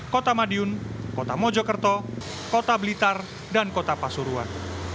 kota madiun kota mojokerto kota blitar dan kota pasuruan